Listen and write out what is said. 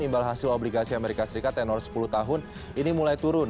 imbal hasil obligasi amerika serikat tenor sepuluh tahun ini mulai turun